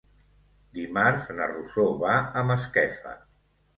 Dimarts na Rosó va a Masquefa.